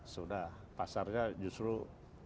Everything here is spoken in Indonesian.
sudah pasarnya justru di luar